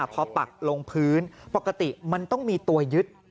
พอปักลงพื้นปกติมันต้องมีตัวยึด